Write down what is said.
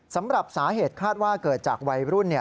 สำหรับสาเหตุคาดว่าเกิดจากวัยรุ่น